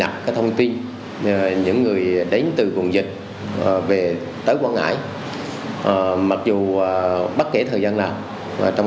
cập thông tin những người đến từ vùng dịch về tới quảng ngãi mặc dù bất kể thời gian nào trong